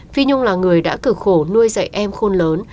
phi nhung là người đã cử khổ nuôi dạy em khôn lớn